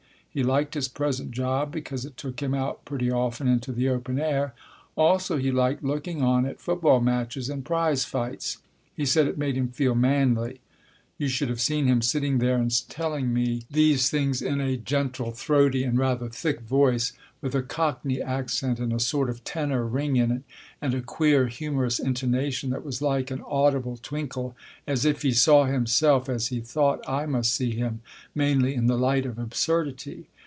He liked his present job, because it took him out pretty often into the open air. Also he liked looking on at football matches and prize fights. He said it made him feel manly. You should have seen him sitting there and telling me 8 Tasker Jevons these things in a gentle, throaty and rather thick voice with a cockney accent and a sort of tenor ring in it and a queer, humorous intonation that was like an audible twinkle, as if he saw himself as he thought I must see him, mainly in the light of absurdity.